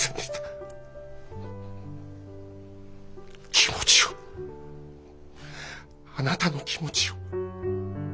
気持ちをあなたの気持ちを。